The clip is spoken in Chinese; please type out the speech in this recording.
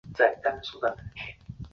地图龟属有九个种。